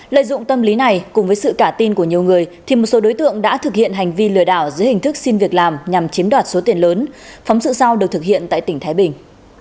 lợi dụng tâm lý này cùng với sự cả tin của nhiều người thì một số đối tượng đã thực hiện hành vi lừa đảo dưới hình thức xin việc làm nhằm chiếm đoạt số tiền lớn phóng sự sau được thực hiện tại tỉnh thái bình